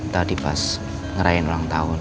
tadi pas ngerain ulang tahun